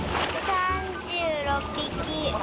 ３６匹。